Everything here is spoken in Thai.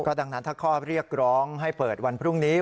ดังนั้นถ้าข้อเรียกร้องให้เปิดวันพรุ่งนี้